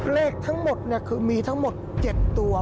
เลขทั้งหมดคือมีทั้งหมด๗ตัว